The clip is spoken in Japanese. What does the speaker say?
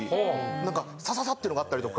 なんかサササッてのがあったりとか。